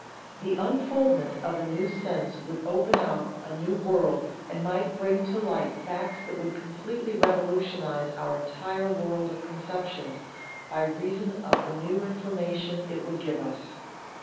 The unfoldment of a new sense would open out a new world and might bring to light facts that would completely revolutionize our entire world of conceptions by reason of the new information it would give us.